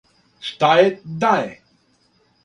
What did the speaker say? Шта је, да је.